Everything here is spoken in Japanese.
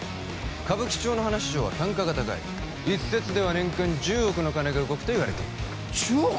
歌舞伎町の花市場は単価が高い一説では年間１０億の金が動くといわれている１０億！？